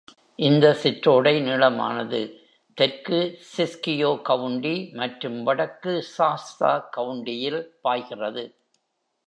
இந்த சிற்றோடை நீளமானது, தெற்கு சிஸ்கியோ கவுண்டி மற்றும் வடக்கு சாஸ்தா கவுண்டியில் பாய்கிறது.